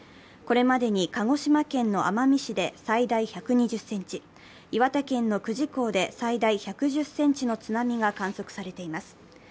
これまでに鹿児島県の奄美市で最大１２０ｃｍ、岩手県の久慈港で最大１１０ｃｍの津波が観測されています。